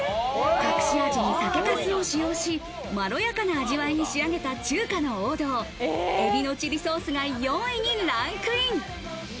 隠し味に酒粕を使用し、まろやかな味わいに仕上げた中華の王道、海老のチリソースが４位にランクイン。